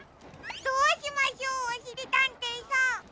どうしましょうおしりたんていさん。